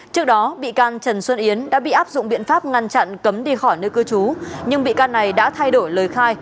trước đó bị can trần xuân yến đã bị áp dụng biện pháp ngăn chặn cấm đi khỏi nơi cư trú nhưng bị can này đã thay đổi lời khai